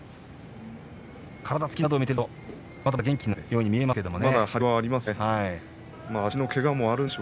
体つきなどを見ているとまだまだ元気なように見えますね。